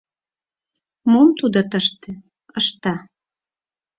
— Мом тудо тыште ышта?